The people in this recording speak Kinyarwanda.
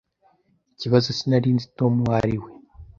Ikibazo sinari nzi Tom uwo ari we.